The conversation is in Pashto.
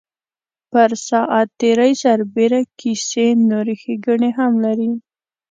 پر ساعت تېرۍ سربېره کیسې نورې ښیګڼې هم لري.